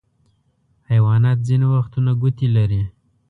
حیوانات ځینې وختونه ګوتې لري.